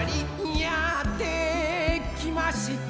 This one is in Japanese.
「やってきました